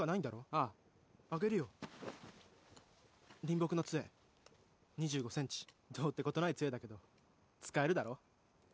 あああげるよリンボクの杖２５センチどうってことない杖だけど使えるだろ？